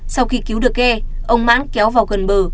sau khi cứu được ghe ông mãn kéo vào gần bờ